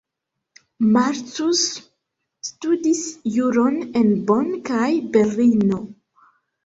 Marcus studis juron en Bonn kaj Berlino.